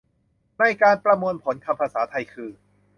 ในการประมวลผลคำภาษาไทย คือ